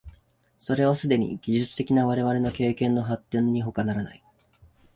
それはすでに技術的な我々の経験の発展にほかならない。